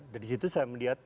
dari situ saya melihat